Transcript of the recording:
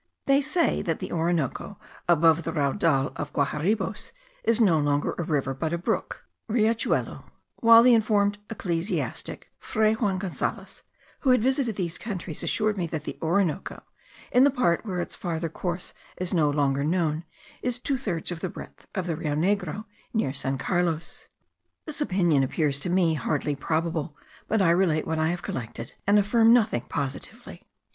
They say that the Orinoco, above the Raudal of the Guaharibos, is no longer a river, but a brook (riachuelo); while a well informed ecclesiastic, Fray Juan Gonzales, who had visited those countries, assured me that the Orinoco, in the part where its farther course is no longer known, is two thirds of the breadth of the Rio Negro near San Carlos. This opinion appears to me hardly probable; but I relate what I have collected, and affirm nothing positively.